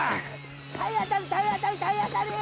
体当たり体当たり体当たり！